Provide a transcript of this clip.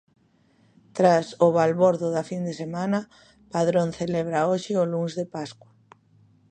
Tras o balbordo da fin de semana, Padrón celebra hoxe o Luns de Pascua.